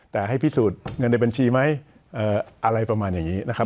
แต่ให้พิสูจน์เงินในบัญชีไหมอะไรประมาณอย่างนี้นะครับ